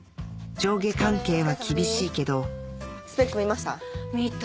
上下関係は厳しいけど『ＳＰＥＣ』見ました？